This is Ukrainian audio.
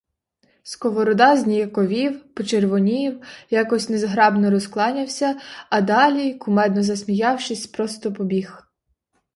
Сковорода зніяковів, почервонів, якось незграбно розкланявся, а далі, кумедно засміявшись, просто побіг.